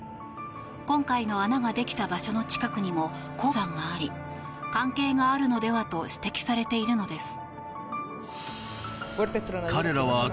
今回の穴ができた場所の近くにも鉱山があり関係があるのではと指摘されているのです。